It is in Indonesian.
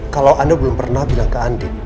kalau anda belum pernah bilang ke andik